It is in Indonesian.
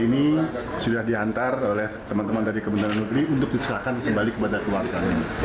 ini sudah diantar oleh teman teman dari kementerian negeri untuk diserahkan kembali kepada keluarga